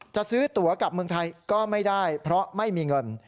จะซื้อตัวกลับเมืองไทยก็ไม่ได้เพราะไม่มีเงิน